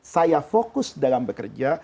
saya fokus dalam bekerja